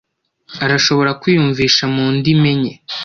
Arashobora kwiyumvisha mu ndimi enye.